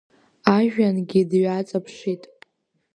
Ажәҩангьы дҩаҵаԥшит…